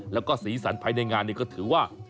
แล้วก็สีสันภายในงานนี้ก็ถือว่า